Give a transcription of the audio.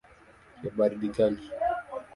ya baridi kali.